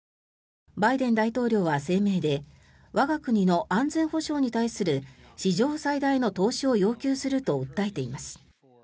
バイデン大統領は声明で我が国の安全保障に対する史上最大の投資を要求すると訴えています。